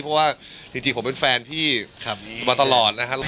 เพราะว่าจริงผมเป็นแฟนที่มาตลอดนะครับ